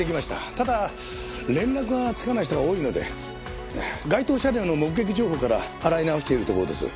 ただ連絡がつかない人が多いので該当車両の目撃情報から洗い直しているところです。